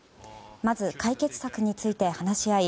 まず解決策について話し合い